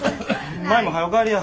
舞もはよ帰りや。